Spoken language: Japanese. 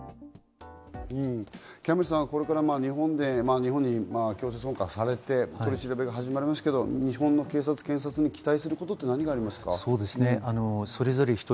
キャンベルさん、日本で日本に強制送還されて取り調べが始まりますが、日本の警察・検察に期待することはありますか？